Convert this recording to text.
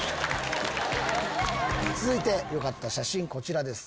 続いてよかった写真こちらです。